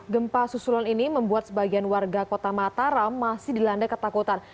gempa susulan ini membuat sebagian warga kota mataram masih dilanda ketakutan